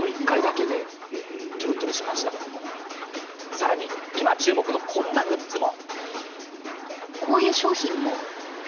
さらに、今注目のこんなグッズも。